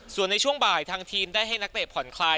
ส่วนในช่วงบ่ายทางทีมได้ให้นักเตะผ่อนคลาย